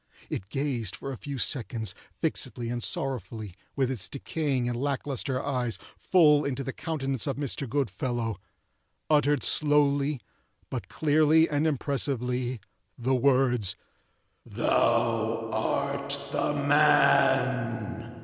It gazed for a few seconds, fixedly and sorrowfully, with its decaying and lack lustre eyes, full into the countenance of Mr. Goodfellow; uttered slowly, but clearly and impressively, the words—"Thou art the man!"